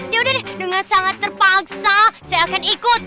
ya udah deh dengan sangat terpaksa saya akan ikut